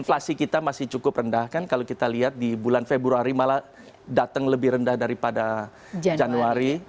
inflasi kita masih cukup rendah kan kalau kita lihat di bulan februari malah datang lebih rendah daripada januari